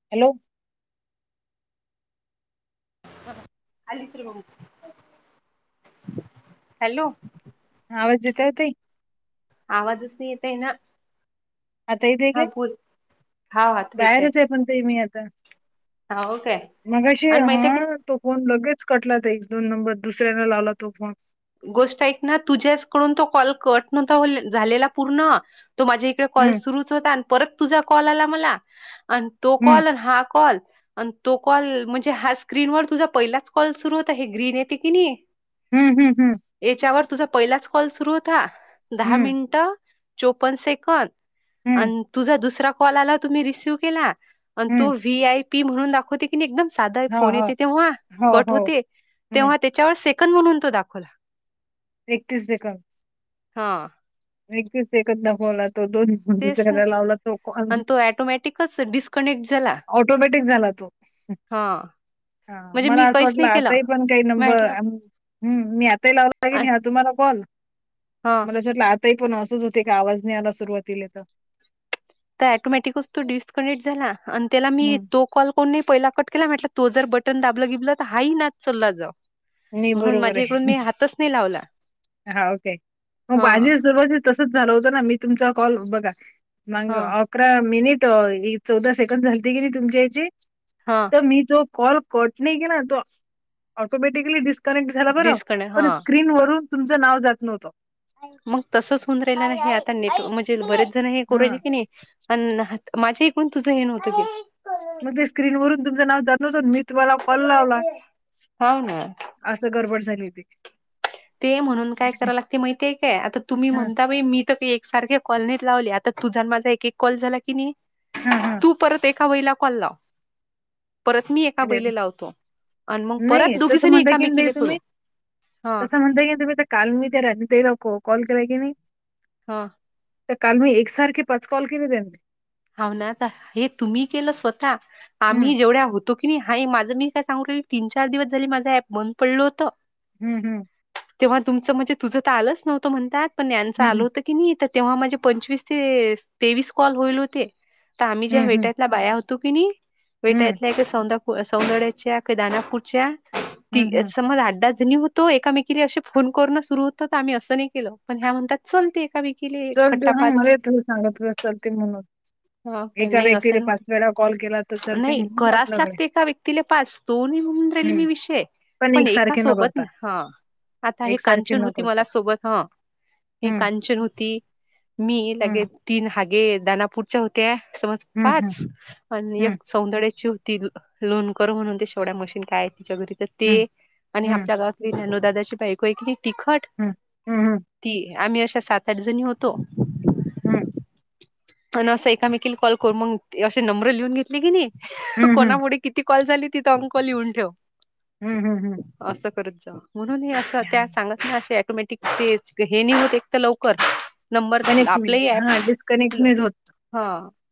Hello, hello, हा आवाज येतोय ताई. आवाजच नाही येत आहे ना. आता इ ते आहे हा का बोल हा आता येतय बाहेरच आहे पण ते मी आता. हो काय मगाशी आणि माहित आहे का हा. तो फोन लगेच कटला ताई दोन नंबर दुसऱ्याने लावला तो फोन. गोष्ट ऐक ना तुझ्याचकडून तो कॉल कट नव्हता झालेला पूर्ण. तो माझ्या इकडे कॉल हम्म सुरूच होता आणि परत तुझा कॉल आला मला. आणि तो हम्म कॉल आणि हा कॉल. आणि तो कॉल म्हणजे हा स्क्रीनवर तुझा पहिलाच कॉल सुरू होता हे ग्रीन येते की नाही. हम्म हम्म हम्म. याच्यावर तुझा पहिलाच कॉल सुरू होता दहा हम्म मिनिट चोपन सेकंद. अ हम्म तुझा दुसरा कॉल आला तुम् रिसीव केला आणि हम्म तो वही आय''--'' ती म्हणून दाखवते की एकदम साध हा फोन हा येते तेव्हा हो कट हो होते हम्म तेव्हा ते. त्याच्यावर सेकंदड म्हणून तो दाखवला. एकतीस सेकंद. हा, एकतीस सेकंद दाखवला तो [unintelligible] दिवस एक न तेच होला तो दोनव एख लावला तो कस डिस्क. कनेक्ट झाला. ऑटोमॅटिक झाला तो. हा, हा म्हणजे मला मी असं काहीच वाटलं, नाही केलं आताही पण काही नंबर. म्हटलं हम्, मी आताही लावला की अ- कनी तुम्हाला कॉल, हा मला वाटलं अस पण असंच होते का, आवाज नाही आला सुरुवातली तर. तर आटोमॅटिक तो डिस्कनेक्ट झाला, त्याला मी हम्म तो कॉल. को नाही पहिला कट केला म्हटलं, तो जर बटन दाबलं गेबलं तर हा ही नाच चलला जाऊ. नाही म्हणून बरोबर माझ्या आहे इकडून मी हातच नाही लावला. हा ओके, मग हा माझी सुरवाती तसच झालं होतं ना मी, तुमचा कॉल बघा मग हा अकरा मिनिट अ चौदा सेकंड झालते की नाही तुमच्या याची. हा. मी तो कॉल कट नाही केला, आटोमॅटली दिस डिस कनेक्ट झाला बरं, डिस्कनेक्ट हा पण स्क्रीन वरून तुमचं नाव जात नव्हतं. मग तसच होऊन राहिला नाही, हे आता नेट म्हणजे बरेच जण हे कर हा की नाही. पण अ माझ्या इकडून तुझं हे नव्हतं की. मग ते स्क्रीन वरून तुमचं नाव जातच, मी तुम्हाला कॉल लावला. हाव ना असं गडबड झाली होती. ते म्हणून काय कराय लागते माहिती काय, आता तुम्ही हा म्हणता बाई, मी तर एकसारखे कॉल, लावले आता तुझा माझा एक-एक कॉल झाला की नाही. हम्म-हम्म तू परत एका बाईला कॉल लाव. परत मी एका बाई लावतो, आणि मग परत नाही दोघी तसं जनी म्हणता की नाही एकामेकीले करू. तुम्ही हा तसं म्हणताय की तुम्ही तर, काल मी तर रानि ताई का कॉल-कॉल केला की नाही. हा. तर काल मी एक सारख पाच कॉल केलं यांनी. हव ना आता, हे तुम्ही केलं स्वतः हम्म आम्ही जेवढ्या होत तो की हाय, माझं मी काय सांग तीन, चार दिवस झाल, माझा ऍप बंद पडलं होतं. हम्-हम्. तेव्हा तुमचं म्हणजे तुझं तर आलंच नव्हतं म्हणतात, पण यांच हं, आलं हं. होतं. की नाही, तेव्हा माझे पंचवीस ते तेवीस कॉल होईल होते. तर आम्ही ज्या हं, हं. वेट्यातला बाया होतो की नाही, हं. वेटायतल्या एक सौंदा सौंदड्याच्या का दानापूरच्या हं, ती हं. समज आठ दहा होतो एकामेकी फोन कर सुरू होत, आम्ही असं नाही केलं, पण ह्या म्हणतात चल ते एकाे चलते हा मले त सांगा तुझला चलते म्हणून. एका नाही असं व्यक्तीने पाच नव्हतं वेळा कॉल केला तर चलते म्हणून वाटलं कडे तिले पाच, दोन्ही होऊन राहिले मी विषय, पण एका सोबत न हा. आता हे एकसारखे कांचन न होती, करता. मला सोबत ह, हे हं, कांचन होती. मी हं. लगेज तीन हा गे, दानापूरच्या होत्या येताना समाज हं, हं. पाच. पण हं, एक सौंदड्याची होती लोण कर म्हणून, ते शेवढ्या मशीन काय आहे तिच्या घरी तर हं. ते आणि हं, आपल्या गावातली ज्ञानू दादाची बायको आहे की नाही तिखट. हम्, हम्-हम. ती, आम्ही अशा सात, आठ जणी होतो. हम्म. अ असं एकामेकीला कॉल करू मग, असे नंबर लिहून घेतले की नाही, हं, हं. कोणामुळे किती कॉल झाली तिथं अंक लिहून ठेव. हम्, हम्म-हम्म. असं करत जा, म्हणून हे असं त्या सांगत हा असे ऑटोमॅटिक तेच हे नाहीय ते एक तर लवकर. नंबर कनेक्ट नाही आपलंही ऍप हां, डिस्कनेक्ट आपलं नाही होत. हा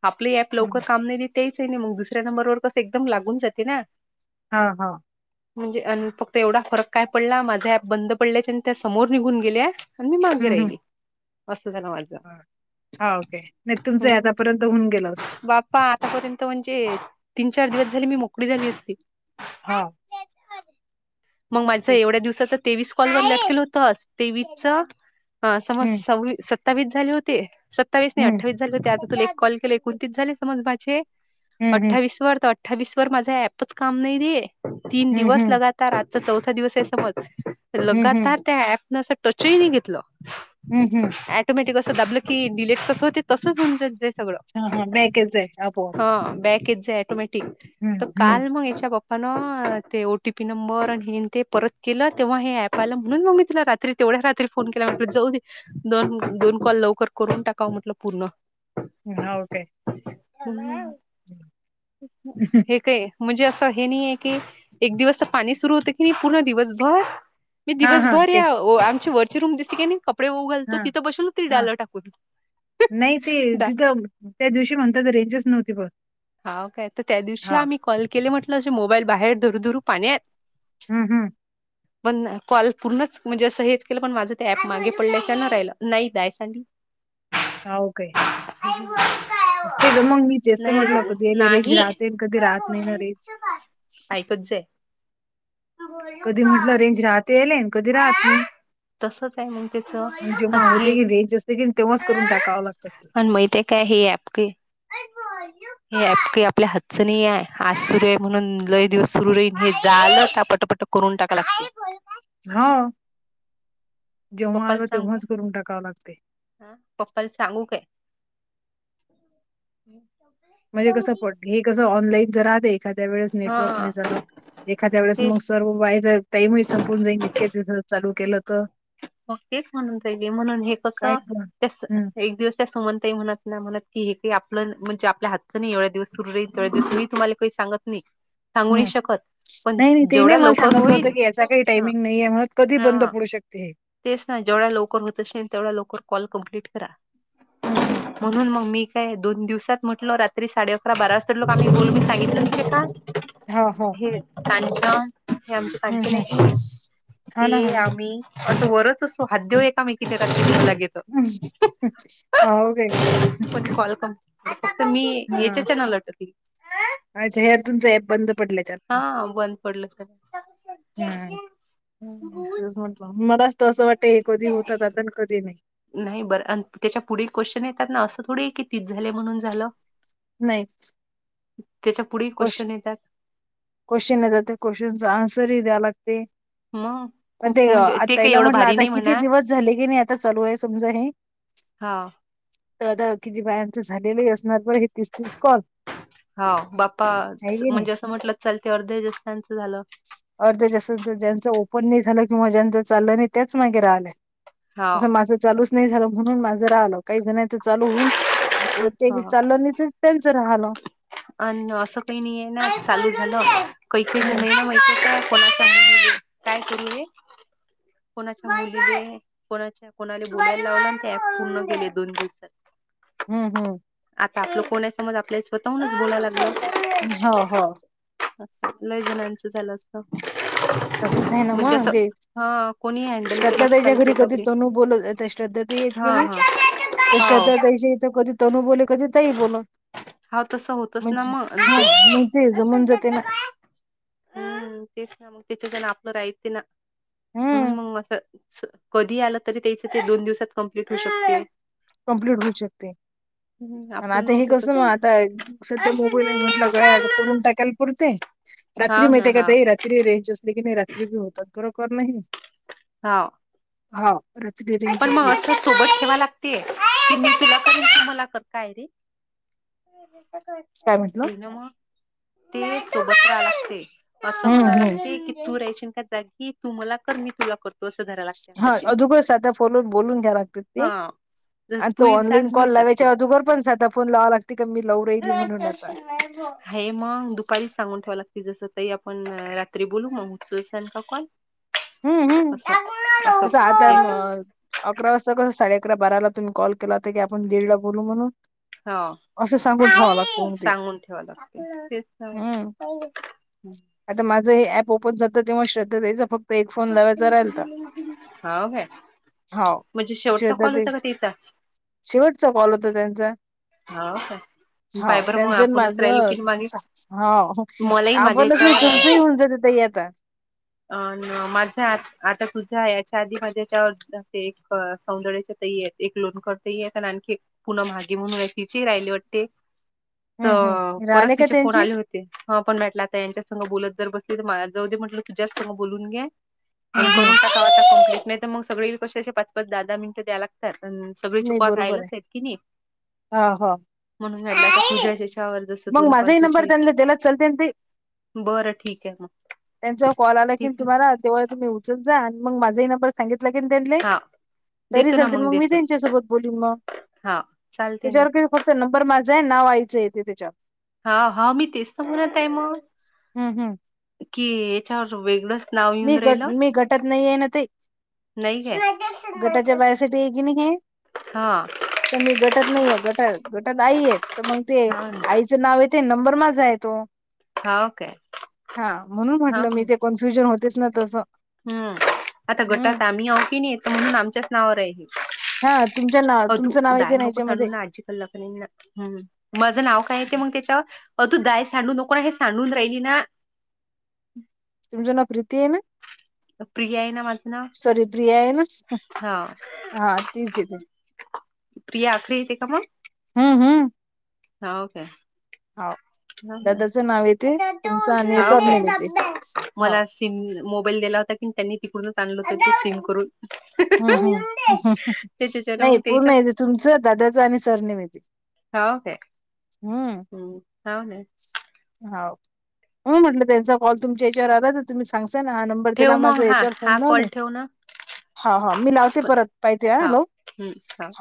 आपलं ऍप लवकर हं. काम नाही देत. तेच आहे नाही मग दुसऱ्या नंबरवर कस एकदम लागून जाते ना. हा हा म्हणजे अ फक्त एवढा फरक काय पडला माझा ॲप बंद पडल्याचे आणि त्या समोर निघून गेल्या. आणि मी मागे राहिली अस्स झाल माझ. हाव काय नाही तुमचं आतापर्यंत होऊन गेल असत. बाप्पा आतापर्यंत म्हणजे तीन चार दिवस झाले मी मोकळी झाली असती. हा. मग माझ एवढ्या दिवसाचच तेवीस कॉल [unintelligible] होतस तेवीस च अ समज हं, सव सव्वीस सत्त सत्तावीस झाले होते सत्तावीस नाही हं. अठ्ठावीस झाले होते आता तुला एक कॉल केले एकोणतीस झाले समज माझे. हं, हं. अठ्ठावीस वर तर अठ्ठावीस वर माझा ऍपच काम नाही दे तीन हं, दिवस हं. लगा तर आजचा चौथा दिवस आहे समज. हं, हं. लगातार त्या ऍप न असं टच ही नाही घेतलं. हम् हम्म. ऑटोमॅटिक असं दाबलं की डिलीट कस होते तसच होऊ जायंय सगळं. हा हा बॅकेत जाय आपोआप. हा बॅकेच जाय ऑटोमॅटिक हं, तर हं. काल म ह्याच्या बाब ह ना अ ते ओ टी पी नंबर आणि हेअन् ते परत केलं तेव्हा हे ऍप आलं म्हणून मग मी तुला रात्री तेवढ्या रात्री फोन केला म्हणलं जाऊ दे दोन - दोन कॉल लवकर करून टाकावं म्हटलं. पूर्ण. हा ओके. हे काय ये? म्हणजे असं हे नाही आहे की एक दिवस तर पाणी सुरू होत की नाही पूर्ण दिवसभर. मी दिवसभर ते या वो आमची वरची रूम दिसते की नाही कपडे वाळ घालतो हां, तिथं बसल हो हां. त टाकून नाही ते डा तिथं त्या दिवशी म्हणतात रेंजच नव्हती पह हाव काय तर त्या दिवशी हा. आम्ही कॉल केले म्हटलं असे मोबाईल बाहेर धरु धरू पाण्यात. हम्म हम्म. पण कॉल पूर्णच म्हणजे असं हेच केलं पण माझं ते ऍप मागे पडल्याच्या ना राहिलं. नाही दय सांग हा ओके. आई बोल असते ग मग मी तेस्त म्हटलं कधीले रेंज नाही. राते कधी राहत नाही ना रेज कच्च आहे. कधी म्हटलं रेंज राहते येले कधी राहत नाही. तसच आहे मग त्याच मग जेव्हा होते कि रेंज असते कि तेव्हाच करून हे टाकाव लागतात ते. आणि माहित आहे काय ही ॲप घे. [inaudible] हे ॲप काही आपल्या हातचं नाही आहे आज सुरू आहे म्हणून लय दिवस सुरू राहील हे झालं का पटापटा करून टाका लागतेय. हाव जेव्हा पप्पाला आलं सांगू काय तेव्हाच करून टाकावं लागतय. हा पप्पाला सांगू काय? म्हणजे कसं प हे कसं ऑनलाईन जरा आता एखाद्या वेळेस नेटवर्क नाही हा झालं एखाद्या वेळेस मग तेच सर्व वाया जाईल. टाईम संपून जाईन इतक्याच दिवसात चालू केलं तर. मग तेच म्हणून राहिली म्हणून हे काय कसं पण हम्म तसं एक दिवस त्या सुमन ताईना पण कळेल म्हणत की हे काही आपलं म्हणजे आपल्या हातचं नाही एवढ्या दिवस सुरू राहील तेवढ्या दिवस मी तुम्हाले काही सांगत नाही [inaudible] सांगू नाही शकत पण नाही नाही ते जेवढ्या नाही मला लवकर सांगितलं होत होईल की याचा काही हा टायमिंग नाहीे म्हणून कधीही हा बंद पडू शकते हे तेच ना जेवढ्या लवकर होत असेल तेवढ्या लवकर कॉल कम्प्लीट करा हम्म हम्म म्हणून मग मी काय दोन दिवसात म्हटलं रात्री साडे अकरा बारा वाजता का आम्ही बोल मी सांगितलं होत का? हा हा हे कांचन हे आमचे कांचन आहे हं. की नाही हो ना, हो ते ना. आम्ही असं वरच असो हादव एकामेकीच्याकडे लागेल [unintelligible] आगय [unintelligible] मग तुम्ही [unintelligible] अच्छाज हर तुमचं ऍप बंद पडल्याच्या आत हा बंद पडलं सगळं हम्म, तेच म्हटलं. मलाच असं वाटतय, हे कधी होता आता कधी नाही. नाही, बरं अ, आणि त्याच्या पुढे क्वेश्चन येतात ना, असं थोडे की तीस झाले म्हणून झालं. नाहीच. त्याच्या पुढील क्वेश्चन येतात. क्वेशन येतात, त्या क्वेशनचा अन्सर ही द्याय लागतय. मग पण ते खूप म्हणजे आता, ते काही ताईला एवढं म्हटलं भारी आता नाही किती म्हणा. दिवस झाले की नाही आता चालू आहे समजा हे हा. दादा, किती बायांचं झालेलं असणार बर हे तीस- तीस कॉल हा, बाप्पा आहे की नाही म्हणजे असं म्हंटलं चालते वाटत, जस यांचं झालं. अर्ध्या जास्त, ज्यांचं ओपन नाही झालं किंवा ज्यांच चाललं नाही तेच मागे राहिलंय. हाव. असं माझं चालूच नाही झालं, म्हणून माझं राहिलं काही जाणच चालू होऊन उलट ते हा विचारलं नाही तर, त्यांच राहल. अन, असं काही नाही आहे ना, चालू झालं काहीक हम्म नाही ना माहिती काय कोणा संग बोलू? काय करू रे? कोणाच्या मुली रे? कोणाच्या, कोणाला बोलायला लावला ना त्या अँप पूर्ण केले दोन दिवसात. हम, हम. आता आपलं कोण आहे समज, आपल्या स्वतःहूनच बोलायला लागल्यात. हो हो आत, लईजणांचं झालं असत. तसंच आहे ना म्हणजे मग असं, ते हा कोणी हॅण्डल केलं श्रद्धा ताईच्या घरी चालते का कधी बरे. तनू हा, हा. त्या हाव. श्रदा ताई इथ कधी तनू बोले कधी तई बोलत. हा तसं होतच ना म्हणजे, मग आणि हम्म म्हणजे ते ज म्हणजे ते ना हम्म, तेच ना मग त्याच्या जण आपलं राहित ना, म्हणून हम्म मग असं अस, कधी आलं तरी त्येच ते दोन दिवसात कंप्लीट होऊ शकतय. कंप्लीट होऊ शकतय, हम्म आणि आपलं आता हे नव्हतं कस ना, तसं. आता सध्या मोबाईल आहे म्हणे सगळ उकरून टाकालं पुटतंय, रात्री हाव ना माहितय का हाव ते रा त्री, रेंज असले की नाही रात्री बी होतात खरोखर नाही. हा. हा रात्री बी. पण मग असं सोबत ठेवाय लागतेय, की मी तुला कर, तू मला कर. काय रे. काय म्हटलं देना म. ते सोबत ऱ्हा लागते असं हम्म म्हणा हम्म लागते की तू रायशीन का त्या की तु मला कर मी तुला कर हा अधूगच साध्या फोलवर बोलून घ्या लागत. ते हा. जस आणि तो तूही जाग ऑनलाईन मीही कॉल लावायच्या जागतो. अधूगर पण सदा फोन लावा ला ते का मी लावू राहिली म्हणून आता. हे मग दुपारीच सांगून ठेवा लागते जसं ताई आपण रात्री बोलू मग त्यांचा कॉल [inaudible] टोम्या जसं आता ओकल. म- अकरा वाजता कसं साडे अकरा बाराला तुम्ही कॉल केला होता की आपण दीड ला बोलू म्हणून. हो. अस सांगून आई ठेवावं आपल, लागतं मग ते सांगून ठेवाय लागते तेच तर. हम्म आता माझं हे ऍप ओपन झालत तेव्हा श्रद्ध ताईचा फक्त एक फोन लावायचा राहिलता. हाव काय हाव. म्हणजे शेवटचा श्रद्धा कॉल ताई होता का तिचा? शेवटचा कॉल होता त्यांचा. हाव का. पाय हाव बर मग त्यांचं अन् आपणच राहिलो माझं की मागे सा हाव मलाही आपणच माझ्याच्या नाही तुमचंही होऊन जाते ताई आता अ माझं आ- आता तुझा याच्या आधी माझ्यावर एक सौंदर्याचे ताई ए एक लोन करते आणखी एक पुनम महागे म्हणून आय तिचे ही राहिले वाटते. त हं, हं. परत राहिले का तिचे फोन त्यांचे? आले हो हा पण भेटलं आता यांच्या संग बोलत जर बसली तर माय जाऊदे म्हटलं तुझ्याच संग बोलून घे. आणि हं, हं. करून टका आता कम्प्लीट नाय त मग सगळे कसे असे पाच पाच दहा दहा मिनट द्या लागत्यात. सगळी नाही छुपा [inaudible] बरोबर आहे. हां, हां. म्हणून मेसेज मग माजाई नंबर त्यांनला दिला त चालतय ना ताई. बरं ठीक ए मग. त्यांचा कॉल आला की ठीक आहे तुम्हाला तेव्हा तुम्ही उचत जा आणि मग माझाही नंबर सांगितलं की त्यांले हा तरी देतो ना चालते मग मी देतो त्यांच्यासोबत बोललीन म. हा चालते ना त्याच्यावर फक्त नंबर माझा आय नाव आयचंय येते त्याच्यावर. हा हा मी तेच तर म्हणत हाय म हं, हं. की याच्यावर वेगळंच नाव मी येऊन गट राहिलं. मी गटत नाईये ना ते. नाही काय गटाच्या बायासाठी ए की एकीने की हा त मी गटत नाहीये गट गटात आई येत तर मग ते हा ना. आई च नाव येते नंबर माझा येतो. हा काय हा म्हणून हा म्हटलं मी ते कन्फ्युजन हो हम्म आता हम्म गटात आम्ही आव की नाई आता म्हणून आमच्याच नावावर आय हे. हा तुमच्या नाव अ तू तुमचं नाव डाळ येते ना नको सांडू याच्यामध्ये ना आजी हम् माझं नाव काय येते मग त्याच्याव? अ तू दाय सांडू नको ना हे सांडून राहिली ना. तुमचं नाव प्रीती आय ना प्रिया आहे ना माझं नाव सॉरी प्रिया आय ना? हा हा तीज येतंय. प्रिया आख्री येते का मग? हम्म हम्. हाव काय? हा ना, दादाचं नाव येते आता तू तुमचं आणि सरनेम येते उचलून हो दे सिम मोबाईल दिला होता कि त्यांनी तिकडूनच आणलं होत ते सिम करून. हम् उचलून हम दे. त्याच्याच्यान नाही मग पूर्ण त्याच्यात आहेेते तुमचं, दादाचं आणि सरनेम येते. हो काय? हो ना. हाव, हो म्हटलं त्यांचा कॉल तुमच्या याच्यावर आला तर तुम्ही सांगता ना हा नंबर त्याला माझा याच्यावर फोन लावले. होऊ ना. हा हा मी लावते परत, पाहितीे हाव लाऊन. हम्म, ह.